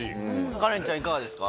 カレンちゃんいかがですか？